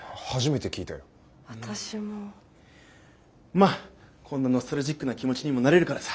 まあこんなノスタルジックな気持ちにもなれるからさ